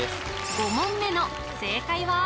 ５問目の正解は？